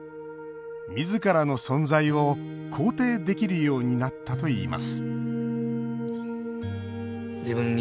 自らの存在を肯定できるようになったといいます